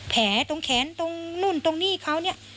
แผลตรงแขนตรงนู่นตรงนี้เขาเนี่ย